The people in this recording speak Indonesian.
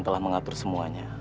tidak ingatkah kamu